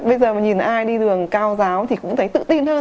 bây giờ mà nhìn ai đi đường cao giáo thì cũng thấy tự tin hơn